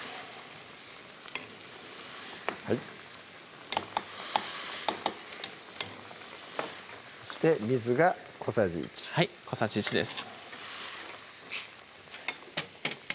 はいそして水が小さじ１はい小さじ１です